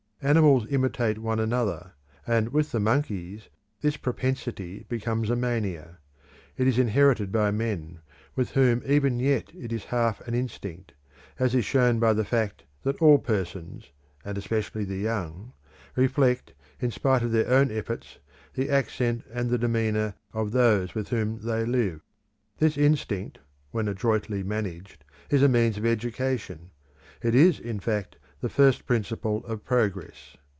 Animals imitate one another, and with the monkeys this propensity becomes a mania. It is inherited by men, with whom even yet it is half an instinct, as is shown by the fact that all persons, and especially the young, reflect, in spite of their own efforts, the accent and the demeanour of those with whom they live. This instinct, when adroitly managed, is a means of education; it is, in fact, the first principle of progress.